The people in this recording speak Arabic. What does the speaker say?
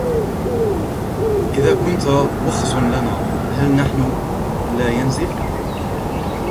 إذا كنت وخز لنا ، هل نحن لا ينزف ؟